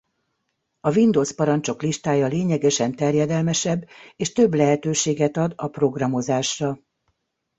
A Windows parancsok listája lényegesen terjedelmesebb és több lehetőséget ad a programozásra.